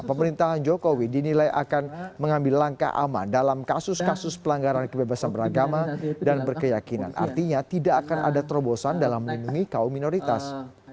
pemerintahan jokowi dinilai akan mengambil langkah aman dalam kasus kasus pelanggaran kebebasan beragama dan berkeyakinan artinya tidak akan ada terobosan dalam melindungi kaum minoritas